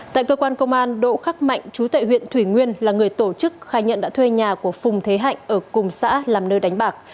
tại cơ quan công an độ khắc mạnh chú tại huyện thủy nguyên là người tổ chức khai nhận đã thuê nhà của phùng thế hạnh ở cùng xã làm nơi đánh bạc